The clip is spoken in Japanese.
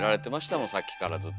もんさっきからずっと。